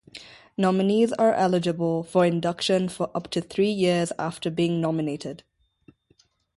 Nominees are eligible for induction for up to three years after being nominated.